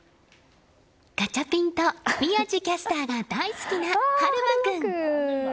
ガチャピンと宮司キャスターが大好きな悠将君。